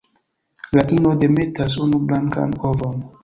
La ino demetas unu blankan ovon.